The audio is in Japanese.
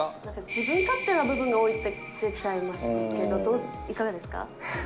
自分勝手な部分が多いって出ちゃいますけど、どう、いかがですか？